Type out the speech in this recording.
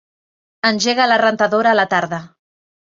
Engega la rentadora a la tarda.